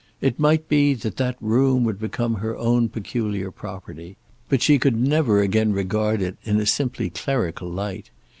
It might be that that room would become her own peculiar property, but she could never again regard it in a simply clerical light.